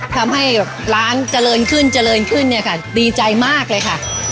ทำให้ร้านเจริญขึ้นเจริญขึ้นเนี่ยค่ะดีใจมากเลยค่ะ